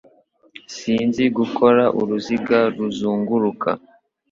Sinzi gukora uruziga ruzunguruka.